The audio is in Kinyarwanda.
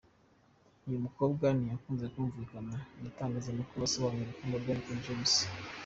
Uyu mukobwa ntiyakunze kumvikana mu itangazamakuru asobanura urukundo rwe na King James.